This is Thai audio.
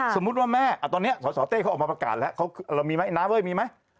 สมมุติว่าแม่ตอนนี้สสเต้เขาออกมาประกาศแล้วมีไหมน้าเว้ยมีไหม